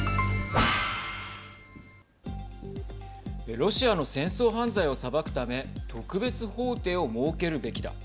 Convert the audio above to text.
ロシアの戦争犯罪を裁くため特別法廷を設けるべきだ。